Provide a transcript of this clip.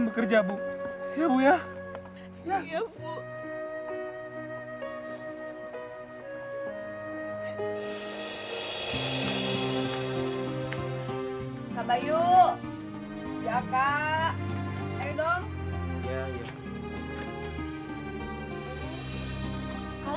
kak bayu tunggu